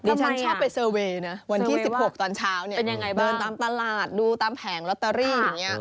ดิฉันชอบไปเซอร์เวย์นะวันที่๑๖ตอนเช้าเนี่ยเดินตามตลาดดูตามแผงลอตเตอรี่อย่างนี้